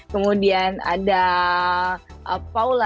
kemudian ada paula